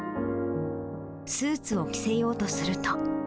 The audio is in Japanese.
スーツを着せようとすると。